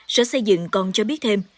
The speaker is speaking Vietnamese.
sở xây dựng còn cho biết thêm